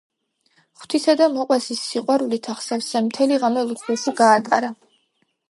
ღვთისა და მოყვასის სიყვარულით აღსავსემ მთელი ღამე ლოცვაში გაატარა.